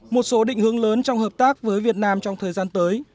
một số định hướng lớn trong hợp tác với việt nam trong thời gian tới